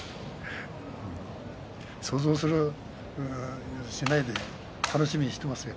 想像しないで楽しみにしていますよ。